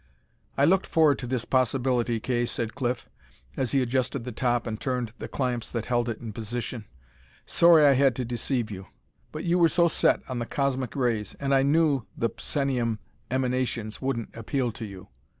"I looked forward to this possibility, Kay," said Cliff, as he adjusted the top and turned the clamps that held it in position. "Sorry I had to deceive you, but you we're so set on the cosmic rays, and I knew the psenium emanations wouldn't appeal to you.